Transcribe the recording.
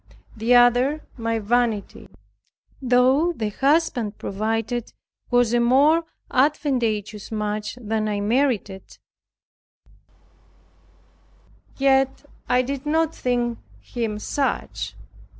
The other, my vanity. Though the husband provided was a more advantageous match than I merited, yet I did not think him such.